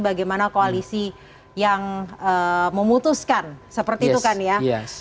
bagaimana koalisi yang memutuskan seperti itu kan ya